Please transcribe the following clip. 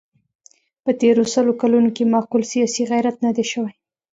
په تېرو سلو کلونو کې معقول سیاسي غیرت نه دی شوی.